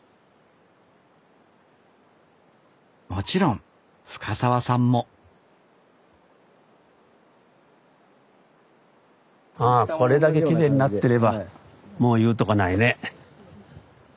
もちろん深沢さんもあこれだけきれいになってればもう言うとこないね。